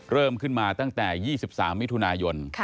เริ่มขึ้นมาตั้งแต่๒๓มิถุนายน